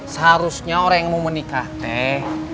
seharusnya orang yang mau menikah teh